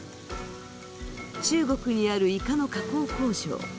中国にあるイカの加工工場。